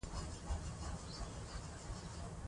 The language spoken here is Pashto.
هغه د کورنۍ د خوړو د پخلي سمه طریقه پېژني.